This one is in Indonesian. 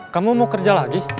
kamu mau kerja lagi